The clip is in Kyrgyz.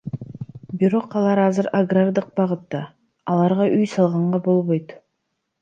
Бирок алар азыр агрардык багытта, аларга үй салганга болбойт.